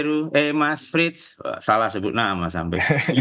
selamat sore mas heru eh mas frits salah sebut nama sampai